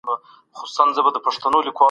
جینټیکي دلایل سم نه دي.